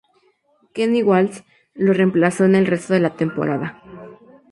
Kenny Wallace lo reemplazó en el resto de la temporada.